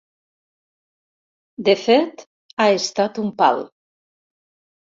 De fet, ha estat un pal.